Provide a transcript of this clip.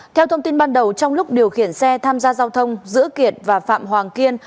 theo thông tin ban đầu trong lúc điều khiển xe tham gia giao thông giữa kiệt và phạm hoàng kiên